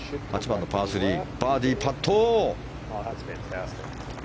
８番のパー３バーディーパット。